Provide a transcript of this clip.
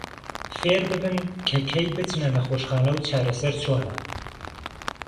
فێرببن کە کەی بچنە نەخۆشخانە و چارەسەر چۆنە.